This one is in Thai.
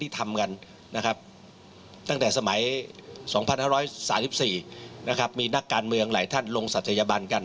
ตั้งภาคการเมืองหลายท่านลงสัตยบันกัน